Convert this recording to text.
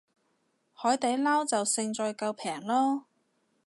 海底撈就勝在夠平囉